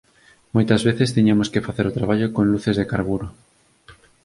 Moitas veces tiñamos que facer o traballo con luces de carburo.